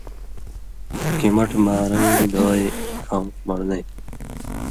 کِمَٹہۡ مارئیں دوائ کھؤں من٘ڑنئ تُھو۔